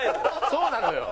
そうなのよ。